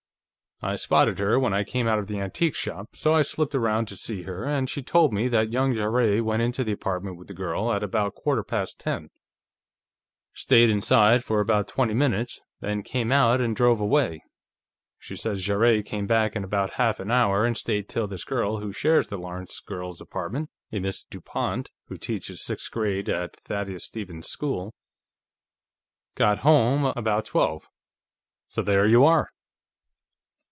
I spotted her when I came out of the antique shop, so I slipped around to see her, and she told me that young Jarrett went into the apartment with the girl at about quarter past ten, stayed inside for about twenty minutes, then came out and drove away. She says Jarrett came back in about half an hour, and stayed till this girl who shares the Lawrence girl's apartment a Miss Dupont, who teaches sixth grade at Thaddeus Stevens School got home, about twelve. So there you are."